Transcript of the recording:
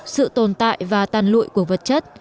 sự tồn tại và tàn lụi của vật chất